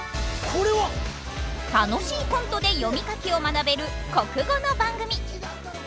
楽しいコントで読み書きを学べる国語の番組